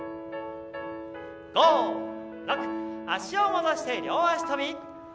足を戻して両足跳び。